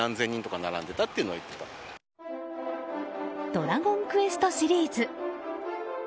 「ドラゴンクエスト」シリーズ。